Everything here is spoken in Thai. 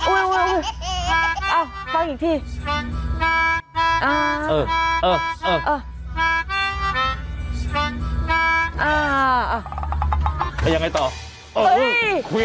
อุ๊ยฮ่าคิดพี่